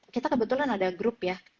kita kebetulan ada grup ya